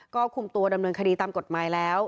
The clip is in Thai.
ก็คุมตัวดำเนินคดีตามกฎหมายแล้ว